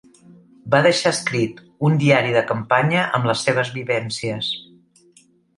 Va deixar escrit un diari de campanya amb les seves vivències.